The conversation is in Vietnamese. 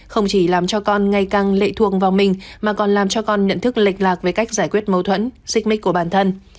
không chỉ làm cho con ngày càng lệ thuồng vào mình mà còn làm cho con nhận thức lệch lạc về cách giải quyết mâu thuẫn xích mích của bản thân